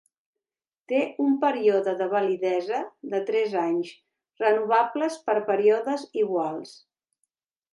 Té un període de validesa de tres anys, renovables per períodes iguals.